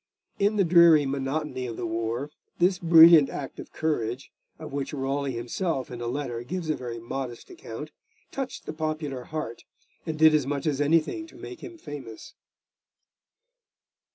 In the dreary monotony of the war, this brilliant act of courage, of which Raleigh himself in a letter gives a very modest account, touched the popular heart, and did as much as anything to make him famous.